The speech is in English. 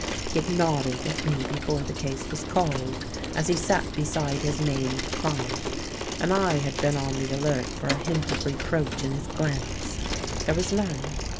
He had nodded at me before the case was called, as he sat beside his maimed client; and I had been on the alert for a hint of reproach in his glance: there was none.